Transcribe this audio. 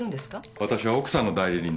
わたしは奥さんの代理人です。